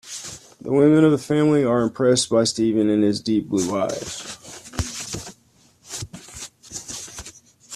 The women of the family are impressed by Stephen and his deep blue eyes.